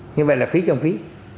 như vậy là phí chồng phí